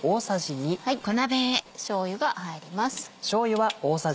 しょうゆが入ります。